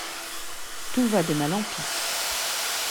Tout va de mal en pis.